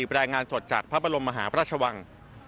รายงานสดจากพระบรมมหาพระราชวัง